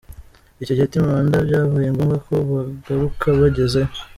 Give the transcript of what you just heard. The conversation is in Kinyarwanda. Icyo gihe Team Rwanda byabaye ngombwa ko bagaruka bagezeyo.